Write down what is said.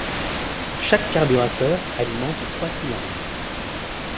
Chaque carburateur alimente trois cylindres.